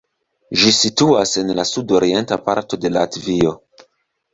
Ĝi situas en la sudorienta parto de Latvio.